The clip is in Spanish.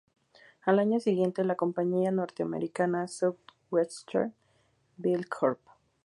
Al año siguiente, la compañía norteamericana Southwestern Bell Corp.